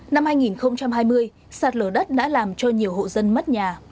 năm hai nghìn hai mươi sạt lở đất đã làm cho nhiều hộ dân mất nhà